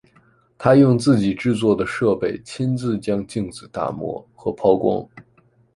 他用自己制作的设备亲自将镜子打磨和抛光。